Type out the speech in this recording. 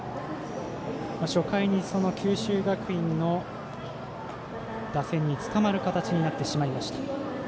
初回に九州学院の打線につかまる形になってしまいました。